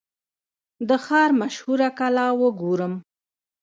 د ښار مشهوره کلا وګورم.